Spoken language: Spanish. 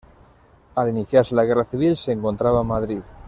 Al iniciarse la Guerra Civil se encontraba en Madrid.